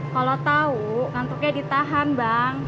kalau tahu ngantuknya ditahan bang